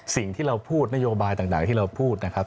สิ่งที่เราพูดนโยบายต่างที่เราพูดนะครับ